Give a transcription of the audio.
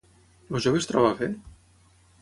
El jove es troba bé?